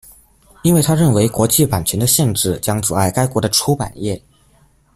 因为他认为国际版权的限制将阻碍该国的出版业。